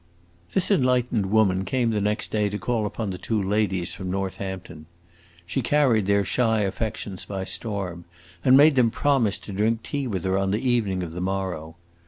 This enlightened woman came the next day to call upon the two ladies from Northampton. She carried their shy affections by storm, and made them promise to drink tea with her on the evening of the morrow.